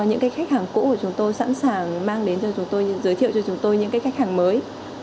những khách hàng cũ của chúng tôi sẵn sàng mang đến cho chúng tôi giới thiệu cho chúng tôi những cái khách hàng mới